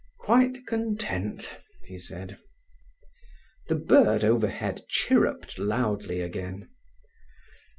"Quite content," he said. The bird overhead chirruped loudly again.